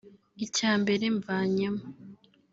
icya mbere mvanyemo